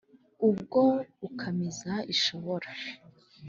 ubwo ukamiza ishokoro